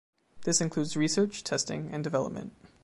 This includes research, testing and development.